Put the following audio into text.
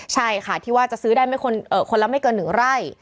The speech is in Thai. ใช่ค่ะที่ว่าจะซื้อได้คนละไม่เกิน๑ไร่